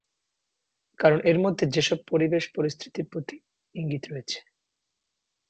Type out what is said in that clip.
কারণ এর মধ্যে যেসব পরিবেশ-পরিস্থিতির প্রতি ইঙ্গিত রয়েছে।